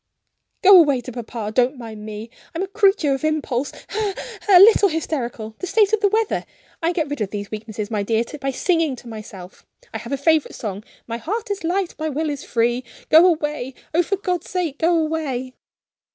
"Go away to papa! Don't mind me I'm a creature of impulse ha! ha! ha! a little hysterical the state of the weather I get rid of these weaknesses, my dear, by singing to myself. I have a favorite song: 'My heart is light, my will is free.' Go away! oh, for God's sake, go away!"